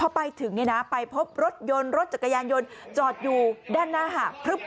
พอไปถึงเนี่ยนะไปพบรถยนต์รถจักรยานยนต์จอดอยู่ด้านหน้าค่ะ